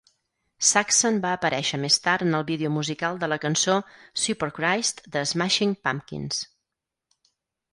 Saxon va aparèixer més tard en el vídeo musical de la cançó "Superchrist" de Smashing Pumpkins.